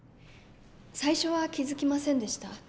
最初は気付きませんでした。